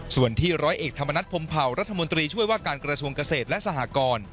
ส่วนที่ร้อยเอกธรรมนัฐพรมเผารัฐมนตรีช่วยว่าการกระทรวงเกษตรและสหกร